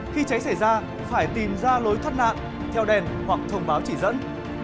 khi cháy xảy ra phải tìm ra lối thoát nạn theo đèn hoặc thông báo chỉ dẫn